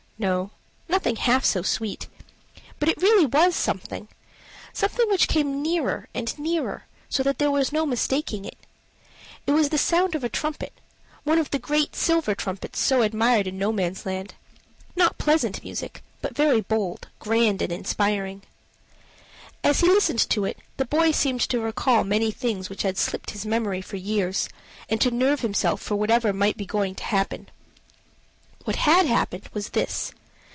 No, nothing half so sweet. But it really was something something which came nearer and nearer, so that there was no mistaking it. It was the sound of a trumpet, one of the great silver trumpets so admired in Nomansland. Not pleasant music, but very bold, grand, and inspiring. As he listened to it the boy seemed to recall many things which had slipped his memory for years, and to nerve himself for whatever might be going to happen. What had happened was this.